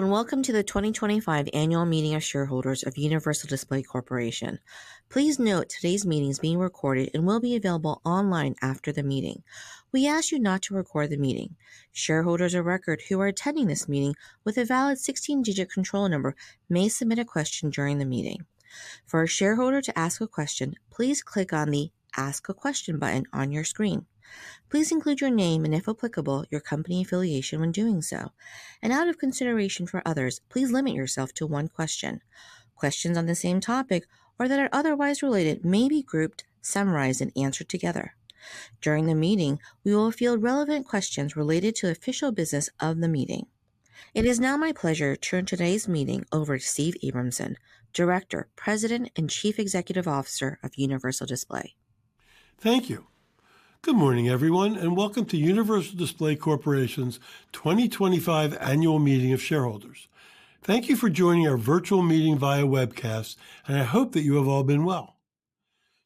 Hello and welcome to the 2025 annual meeting of shareholders of Universal Display Corporation. Please note today's meeting is being recorded and will be available online after the meeting. We ask you not to record the meeting. Shareholders of record who are attending this meeting with a valid 16-digit control number may submit a question during the meeting. For a shareholder to ask a question, please click on the "Ask a Question" button on your screen. Please include your name and, if applicable, your company affiliation when doing so. Out of consideration for others, please limit yourself to one question. Questions on the same topic or that are otherwise related may be grouped, summarized, and answered together. During the meeting, we will field relevant questions related to the official business of the meeting. It is now my pleasure to turn today's meeting over to Steve Abramson, Director, President, and Chief Executive Officer of Universal Display. Thank you. Good morning, everyone, and welcome to Universal Display Corporation's 2025 annual meeting of shareholders. Thank you for joining our virtual meeting via webcast, and I hope that you have all been well.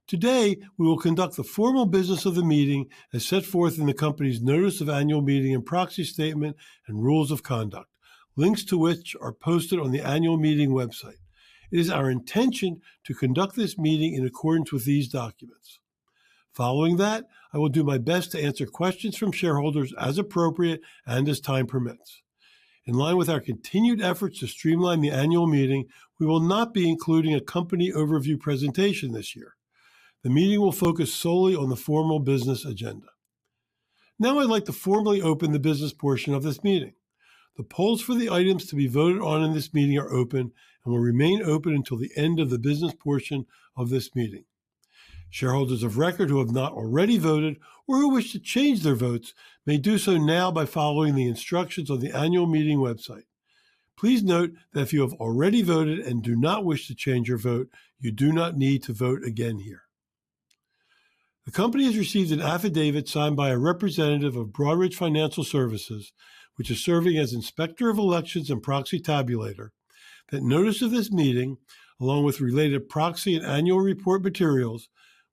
Today, we will conduct the formal business of the meeting as set forth in the company's Notice of Annual Meeting and Proxy Statement and Rules of Conduct, links to which are posted on the Annual Meeting website. It is our intention to conduct this meeting in accordance with these documents. Following that, I will do my best to answer questions from shareholders as appropriate and as time permits. In line with our continued efforts to streamline the annual meeting, we will not be including a company overview presentation this year. The meeting will focus solely on the formal business agenda. Now, I'd like to formally open the business portion of this meeting. The polls for the items to be voted on in this meeting are open and will remain open until the end of the business portion of this meeting. Shareholders of record who have not already voted or who wish to change their votes may do so now by following the instructions on the Annual Meeting website. Please note that if you have already voted and do not wish to change your vote, you do not need to vote again here. The company has received an affidavit signed by a representative of Broadridge Financial Services, which is serving as Inspector of Elections and Proxy Tabulator, that Notice of this Meeting, along with related proxy and annual report materials,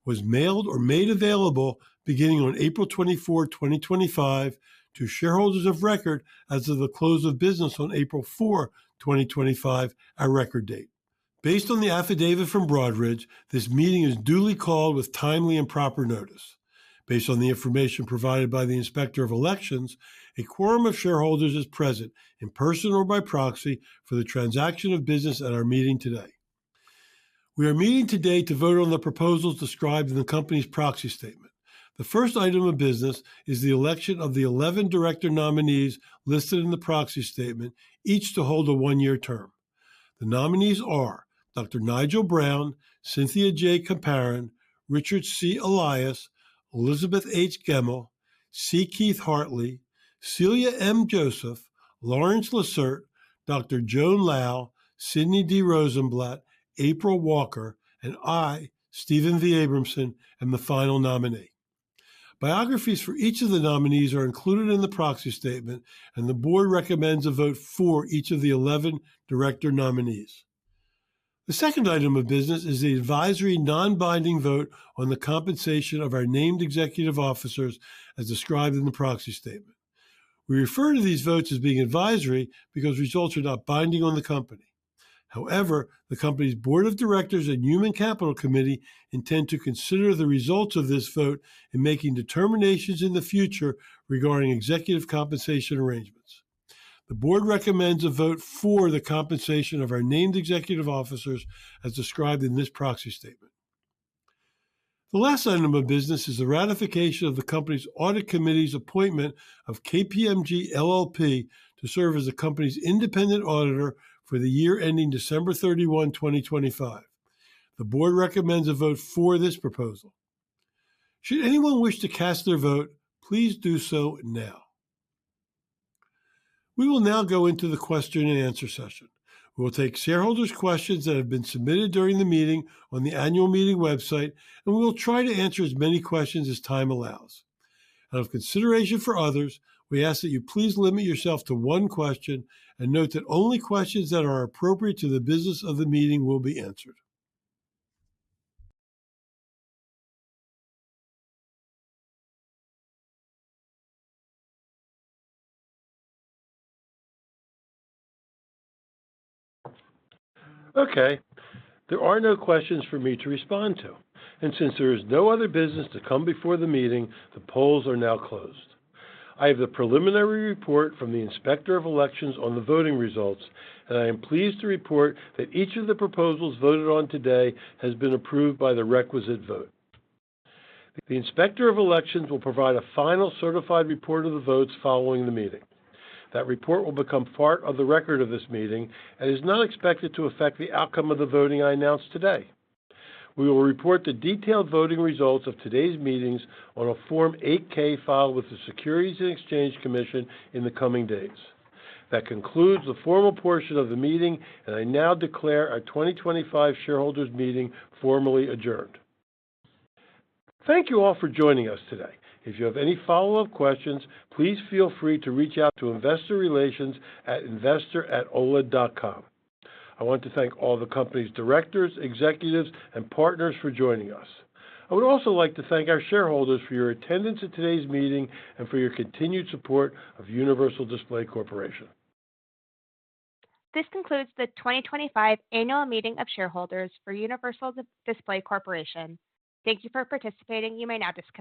was mailed or made available beginning on April 24th, 2025, to shareholders of record as of the close of business on April 4th, 2025, our record date. Based on the affidavit from Broadridge, this meeting is duly called with timely and proper notice. Based on the information provided by the Inspector of Elections, a quorum of shareholders is present in person or by proxy for the transaction of business at our meeting today. We are meeting today to vote on the proposals described in the company's proxy statement. The first item of business is the election of the 11 director nominees listed in the proxy statement, each to hold a one-year term. The nominees are Dr. Nigel Brown, Cynthia J. Comparin, Richard C. Elias, Elizabeth H. Gemmill, C. Keith Hartley, Celia M. Joseph, Lawrence Lacerte, Dr. Joan Lau, Sidney D. Rosenblatt, April Walker, and I, Steven V. Abramson, am the final nominee. Biographies for each of the nominees are included in the proxy statement, and the board recommends a vote for each of the 11 director nominees. The second item of business is the advisory non-binding vote on the compensation of our named executive officers as described in the proxy statement. We refer to these votes as being advisory because results are not binding on the company. However, the company's board of directors and human capital committee intend to consider the results of this vote in making determinations in the future regarding executive compensation arrangements. The board recommends a vote for the compensation of our named executive officers as described in this proxy statement. The last item of business is the ratification of the company's audit committee's appointment of KPMG LLP to serve as the company's independent auditor for the year ending December 31, 2025. The board recommends a vote for this proposal. Should anyone wish to cast their vote, please do so now. We will now go into the question and answer session. We will take shareholders' questions that have been submitted during the meeting on the Annual Meeting website, and we will try to answer as many questions as time allows. Out of consideration for others, we ask that you please limit yourself to one question and note that only questions that are appropriate to the business of the meeting will be answered. Okay. There are no questions for me to respond to. Since there is no other business to come before the meeting, the polls are now closed. I have the preliminary report from the Inspector of Elections on the voting results, and I am pleased to report that each of the proposals voted on today has been approved by the requisite vote. The Inspector of Elections will provide a final certified report of the votes following the meeting. That report will become part of the record of this meeting and is not expected to affect the outcome of the voting I announced today. We will report the detailed voting results of today's meetings on a Form 8-K filed with the Securities and Exchange Commission in the coming days. That concludes the formal portion of the meeting, and I now declare our 2025 shareholders' meeting formally adjourned. Thank you all for joining us today. If you have any follow-up questions, please feel free to reach out to investorrelations@oled.com. I want to thank all the company's directors, executives, and partners for joining us. I would also like to thank our shareholders for your attendance at today's meeting and for your continued support of Universal Display Corporation. This concludes the 2025 annual meeting of shareholders for Universal Display Corporation. Thank you for participating. You may now disconnect.